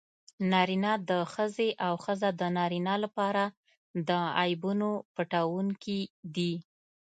نارینه د ښځې او ښځه د نارینه لپاره د عیبونو پټوونکي دي.